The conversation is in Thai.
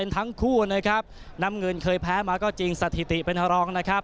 ทั้งคู่นะครับน้ำเงินเคยแพ้มาก็จริงสถิติเป็นรองนะครับ